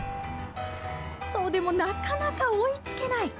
でも、なかなか追いつけない！